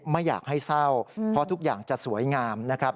ไม่อยากให้เศร้าเพราะทุกอย่างจะสวยงามนะครับ